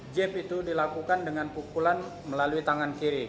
jeep itu dilakukan dengan pukulan melalui tangan kiri